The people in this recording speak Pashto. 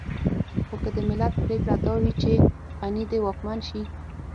خو که د ملت پرېکړه دا وي چې غني دې واکمن شي.